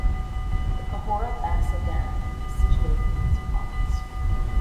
The Cahora Bassa Dam is situated in this province.